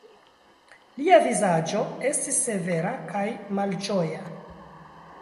Lia vizaĝo estis severa kaj malĝoja.